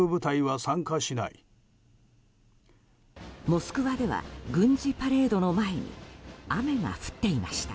モスクワでは軍事パレードの前に雨が降っていました。